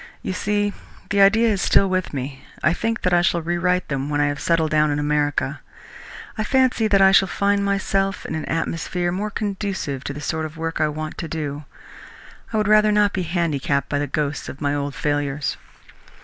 "You see, the idea is still with me. I think that I shall rewrite them when I have settled down in America. I fancy that I shall find myself in an atmosphere more conducive to the sort of work I want to do. I would rather not be handicapped by the ghosts of my old failures."